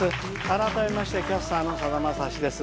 改めましてキャスターのさだまさしです。